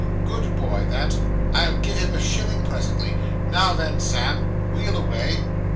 'Good boy, that. I'll give him a shilling, presently. Now, then, Sam, wheel away.